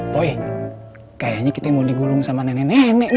poe kayaknya kita mau digulung sama nenek nenek nih